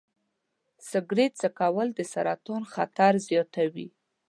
سګرټ څکول د سرطان خطر زیاتوي.